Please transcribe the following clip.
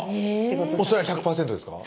それは１００％ですか？